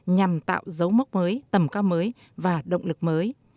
nhằm tạo dấu mốc mới tầm cao mới và động lực mới